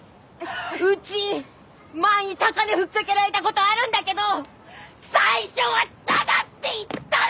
うち前に高値ふっかけられた事あるんだけど最初はタダって言ったのよ！！